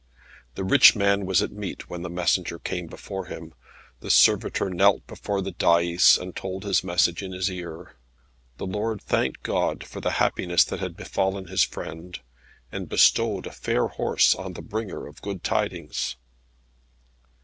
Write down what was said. The rich man was at meat when the messenger came before him. The servitor kneeled before the dais, and told his message in his ear. The lord thanked God for the happiness that had befallen his friend, and bestowed a fair horse on the bringer of good tidings.